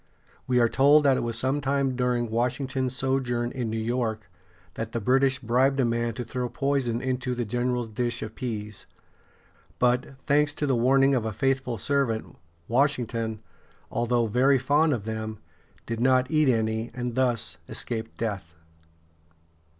We are told that it was sometime during Washington's sojourn in New York that the British bribed a man to throw poison into the general's dish of pease. But, thanks to the warning of a faithful servant, Washington, although very fond of them, did not eat any, and thus escaped death.